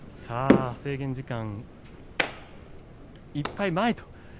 制限時間いっぱい前です。